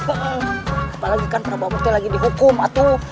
apalagi kan prabu amuk itu lagi dihukum atuh